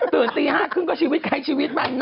ตื่นตี๕๓๐ก็ชีวิตใครชีวิตมัน